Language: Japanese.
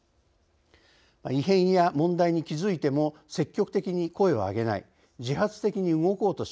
異変や問題に気づいても積極的に声を上げない自発的に動こうとしない